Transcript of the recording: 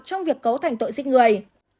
trong việc cấu thành tội giết người